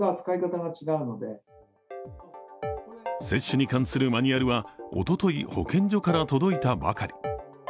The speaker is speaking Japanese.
接種に関するマニュアルはおととい保健所から届いたばかり。